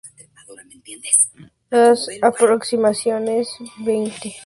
Las aproximadamente veinte variantes conocidas se agrupan en cuatro genotipos.